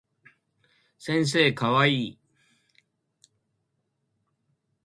先生かわいい